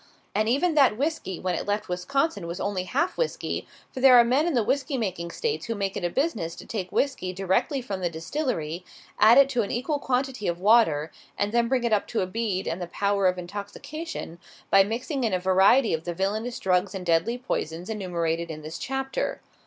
And even that whisky when it left Wisconsin was only half whisky; for there are men in the whisky making States who make it a business to take whisky direct from the distillery, add to it an equal quantity of water, and then bring it up to a bead and the power of intoxication, by mixing in a variety of the villainous drugs and deadly poisons enumerated in this chapter.